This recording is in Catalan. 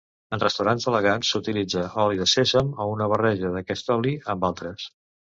En restaurants elegants s'utilitza oli de sèsam o una barreja d'aquest oli amb altres.